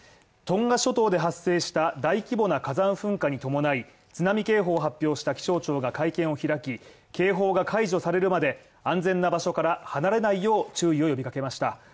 トンガ諸島で発生した大規模な火山噴火に伴い津波警報発表した気象庁が会見を開き、警報が解除されるまで安全な場所から離れないよう注意を呼び掛けました。